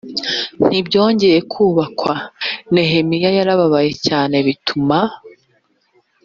ntibyongeye kubakwa nehemiya yarababaye cyane bituma